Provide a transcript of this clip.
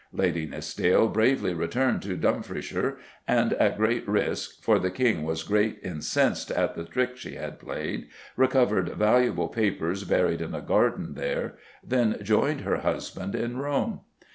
Lady Nithsdale bravely returned to Dumfriesshire, and, at great risk, for "the King was great insensed at the trick she had played," recovered valuable papers buried in a garden there, then joined her husband in Rome.